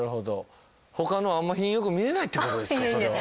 ほかのはあんま品良く見えないってことですかそれは？